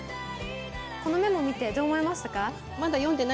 このメモを見てどう思いましたか？